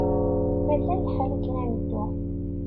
Mazal lḥal akken ad neddu.